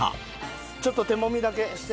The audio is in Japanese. ちょっと手もみだけして。